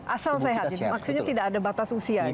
asal sehat maksudnya tidak ada batas usia